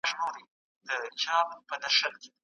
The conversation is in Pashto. زه مي خپل نصیب له سور او تال سره زدوولی یم